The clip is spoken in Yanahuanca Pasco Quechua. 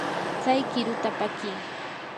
tsay qiruta pakii.